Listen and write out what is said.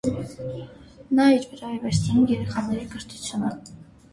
Նա իր վրա է վերցնում երեխաների կրթությունը։